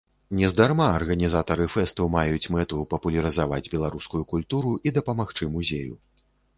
Нездарма арганізатары фэсту маюць мэту папулярызаваць беларускую культуру і дапамагчы музею.